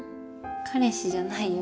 彼氏じゃないよ。